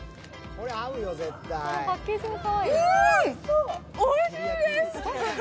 うーん、おいしいです！